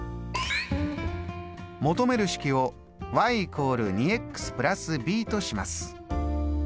求める式を＝２＋ｂとします。